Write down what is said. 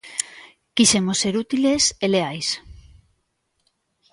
Quixemos ser útiles e leais.